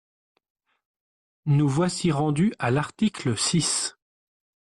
Nous voici rendus à l’article six.